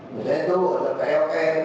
misalnya itu ada pok